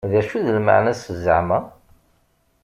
D acu d lmeεna-s zeεma?